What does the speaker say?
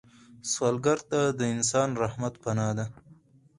سوالګر ته د انسان رحمت پناه ده